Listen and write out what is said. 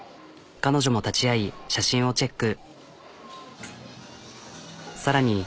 彼女も立ち会い写真をチェック。